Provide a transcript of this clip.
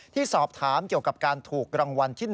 ที่สอบถามเกี่ยวกับการถูกรางวัลที่๑